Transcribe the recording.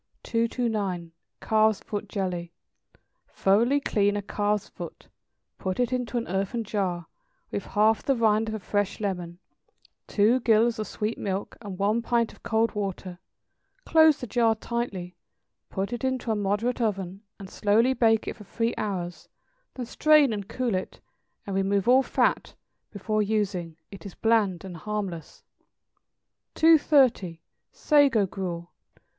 229. =Calf's Foot Jelly.= Thoroughly clean a calf's foot; put it into an earthen jar, with half the rind of a fresh lemon, two gills of sweet milk, and one pint of cold water; close the jar tightly, put it into a moderate oven, and slowly bake it for three hours; then strain and cool it, and remove all fat, before using; it is bland and harmless. 230. =Sago Gruel.